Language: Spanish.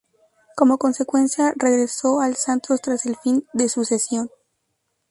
Como consecuencia, regresó al Santos tras el fin de su cesión.